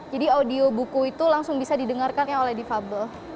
jadi audio buku itu langsung bisa didengarkan oleh di fabel